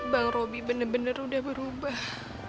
bang robi bener bener udah berubah